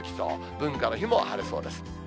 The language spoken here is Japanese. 文化の日も晴れそうです。